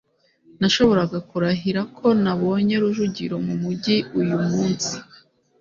Nashoboraga kurahira ko nabonye Rujugiro mumujyi uyu munsi.